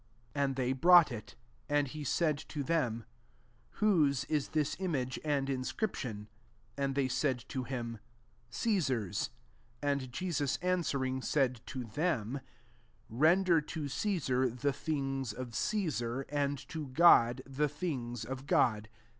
16 MARK XII. n And they brought it : and he said to them, " Whose ie this image and inscription ?" And they said to him, "Cesar's." 17 And Jesus answering, said to them, " Render to Cesar, the things of Cesar, and to God, the things of God.